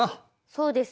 そうです。